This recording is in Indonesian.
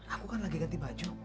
aku kan lagi ganti baju